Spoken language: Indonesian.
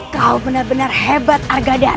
kau benar benar hebat argada